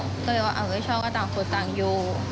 ก็เลยว่าชอบก็ต่างคนต่างอยู่